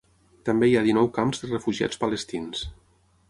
També hi ha dinou camps de refugiats palestins.